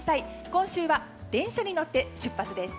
今週は電車に乗って出発です。